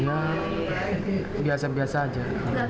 ya biasa biasa saja